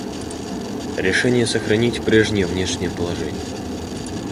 Решение сохранить прежнее внешнее положение.